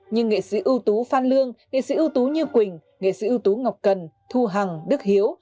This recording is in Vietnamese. như nghệ sĩ ưu tú phan lương nghệ sĩ ưu tú như quỳnh nghệ sĩ ưu tú ngọc cần thu hằng đức hiếu